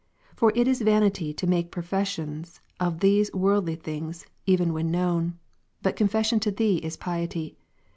For it is vanity to make profession of these worldly things even when known ; but confession to Thee is piety.